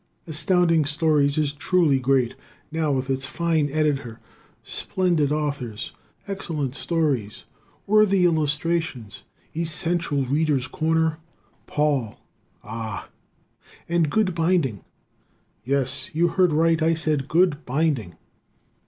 Astounding Stories is truly great now with its fine Editor, splendid Authors, excellent stories, worthy illustrations, essential "Readers' Corner," Paul Ah! and good binding! Yes! You heard right! I said good binding!